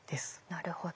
なるほど。